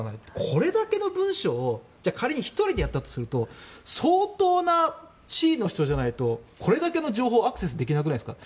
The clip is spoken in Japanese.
これだけの文書をじゃあ仮に１人でやったとすると相当な地位の人じゃないとこれだけの情報アクセスできなくないですか。